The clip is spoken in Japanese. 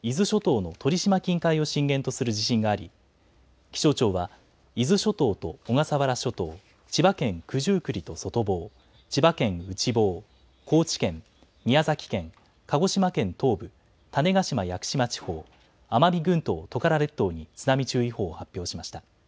早く伊豆諸島の鳥島近海を震源とする地震があり気象庁は伊豆諸島と小笠原諸島、千葉県九十九里と外房、千葉県内房、高知県、宮崎県、鹿児島県東部、種子島・屋久島地方、奄美群島・トカラ列島に津波注意報を発表しました。